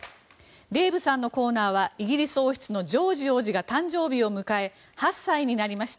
デーブさんのコーナーはイギリス王室のジョージ王子が誕生日を迎え８歳になりました。